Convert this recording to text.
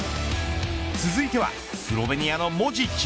続いてはスロベニアのモジッチ。